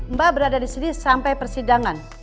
mbak berada di sini sampai persidangan